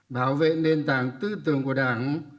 bảo vệ nền tảng tư tưởng của đảng